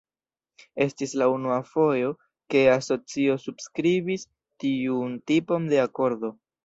Estis la unua fojo, ke asocio subskribis tiun tipon de akordo.